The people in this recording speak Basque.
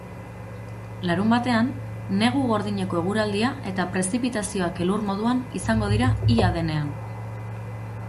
Larunbatean, negu gordineko eguraldia eta prezipitazioak elur moduan izango dira ia denean.